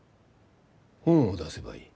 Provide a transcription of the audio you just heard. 本を出せばいい。